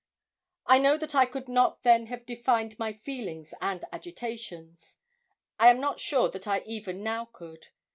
I know that I could not then have defined my feelings and agitations. I am not sure that I even now could.